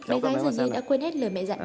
bé gái giờ đây đã quên hết lời mẹ dạy